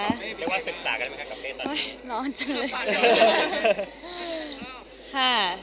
เรียกว่าศึกษากันได้ตอนนี้กับเป